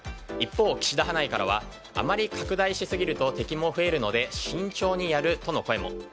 一方、岸田派内からはあまり拡大しすぎると敵も増えるので慎重にやるとの声も。